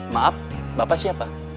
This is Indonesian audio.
maaf bapak siapa